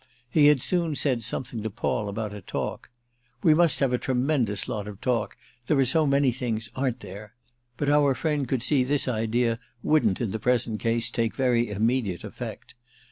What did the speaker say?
He had soon said something to Paul about a talk—"We must have a tremendous lot of talk; there are so many things, aren't there?"—but our friend could see this idea wouldn't in the present case take very immediate effect.